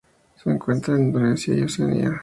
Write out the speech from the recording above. Se encuentra en Indonesia y Oceanía.